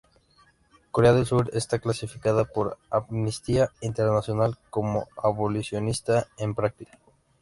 Corea del Sur está clasificada por Amnistía Internacional como "abolicionista en práctica".